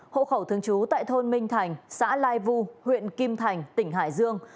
hộ khẩu thương chú tại thôn minh thành xã lai vu huyện kim thành tỉnh hải dương